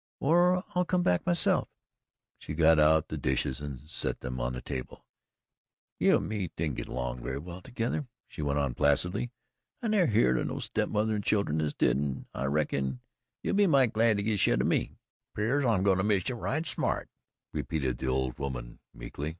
"Or, I'll come back myself." She got out the dishes and set them on the table. "You an' me don't git along very well together," she went on placidly. "I never heerd o' no step mother and children as did, an' I reckon you'll be might glad to git shet o' me." "Pears like I'm going to miss ye a right smart," repeated the old woman weakly.